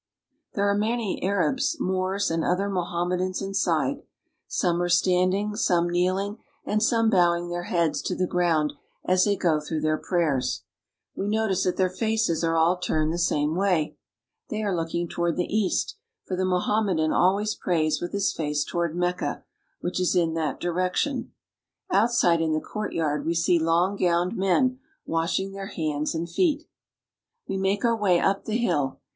There are many Arabs, ^^^1 Moors, and other Mohammedans inside. Some arc stand ^^^^ ing, some kneeling, and some bowing their heads to the ^^^1 ground as they go through their prayers. We notice that ^^^P their faces are all turned the same way. Thty are looking "Some are s'.anding, some kneeling, ..,'' toward the east, for the Mohammedan always prays with I his face toward Mecca, which is in that direction. Out I side in the courtyard we see long gowned men washing } their hands and feet We make our way up the hill.